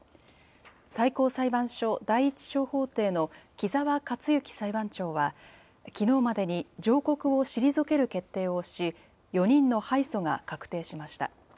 最高裁判所第１小法廷の木澤克之裁判長は、きのうまでに上告を退ける決定をし、４人の敗訴が確定しました。